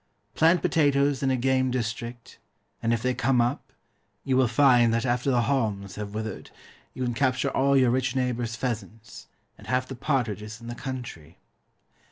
Plant potatoes in a game district, and if they come up you will find that after the haulms have withered you can capture all your rich neighbour's pheasants, and half the partridges in the country.